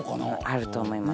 あると思います。